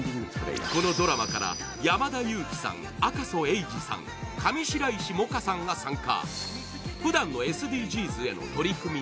このドラマから山田裕貴さん、赤楚衛二さん、上白石萌歌さんが参加。